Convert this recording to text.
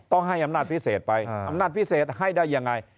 ให้อำนาจพิเศษไปอำนาจพิเศษให้ได้ยังไง